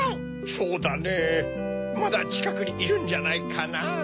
そうだねぇまだちかくにいるんじゃないかなぁ。